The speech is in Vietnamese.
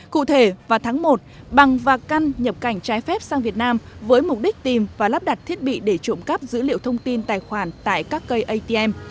cụ thể vào tháng một bằng và căn nhập cảnh trái phép sang việt nam với mục đích tìm và lắp đặt thiết bị để trộm cắp dữ liệu thông tin tài khoản tại các cây atm